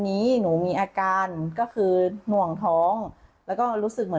ผมไม่เป็นการทำคลอดจากนี้